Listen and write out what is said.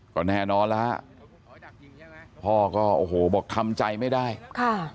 ก็แน่นอนแล้วฮะพ่อก็โอ้โหบอกทำใจไม่ได้ค่ะ